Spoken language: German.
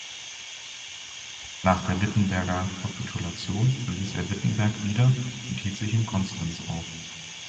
Nach der Wittenberger Kapitulation verließ er Wittenberg wieder und hielt sich in Konstanz auf.